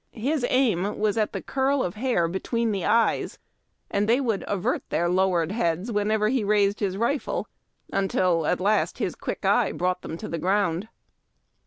His aim vv^as at the curl of the hair between the eyes, and they would avert their lowered heads whenever he raised liis rifle, until, at last, his quick eye brought them to the ground.